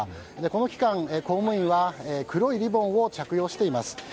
この期間、公務員は黒いリボンを着用しています。